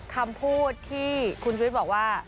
คำพูดที่คุณชุวิตบอกว่า